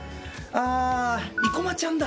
ああ生駒ちゃんだ！